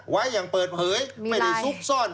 ไว้อย่างเปิดเผยไม่ได้ซุกซ่อน